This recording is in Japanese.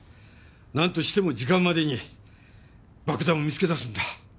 なんとしても時間までに爆弾を見つけ出すんだ。